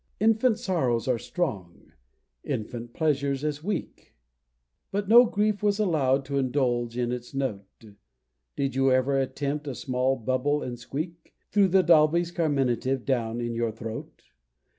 Infant sorrows are strong infant pleasures as weak But no grief was allow'd to indulge in its note; Did you ever attempt a small "bubble and squeak," Through the Dalby's Carminative down in your throat?